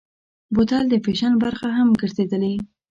بوتل د فیشن برخه هم ګرځېدلې.